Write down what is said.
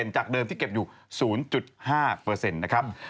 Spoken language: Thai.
จากเดิมที่เก็บอยู่๐๕นะครับ